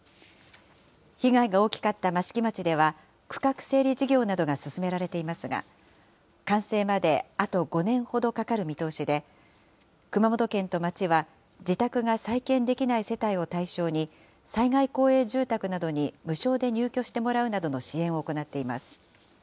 被害が大きかった益城町では区画整理事業などが進められていますが、完成まであと５年ほどかかる見通しで、熊本県と町は自宅が再建できない世帯を対象に、災害公営住宅などに無償で入居してもらうなどの支援を行っています。